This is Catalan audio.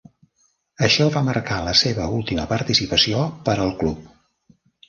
Això va marcar la seva última participació per al club.